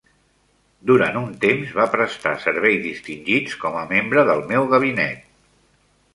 Durant un temps va prestar serveis distingits com a membre del meu gabinet.